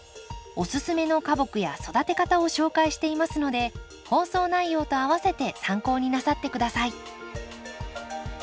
おすすめの花木や育て方を紹介していますので放送内容とあわせて参考になさって下さい。